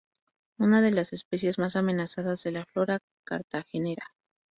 Una de las especies más amenazadas de la flora cartagenera.